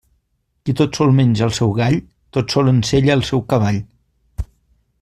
Qui tot sol menja el seu gall, tot sol ensella el seu cavall.